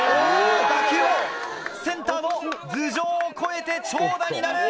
打球はセンターの頭上を越えて長打になる！